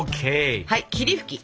はい霧吹き。